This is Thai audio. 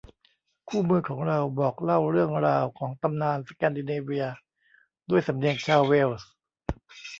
คู่มือของเราบอกเล่าเรื่องราวของตำนานสแกนดิเนเวียด้วยสำเนียงชาวเวลส์